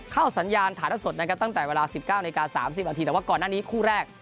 เข้าสัญญาณฐานสดตั้งแต่เวลา๑๙๓๐แต่ว่าก่อนหน้านี้คู่แรก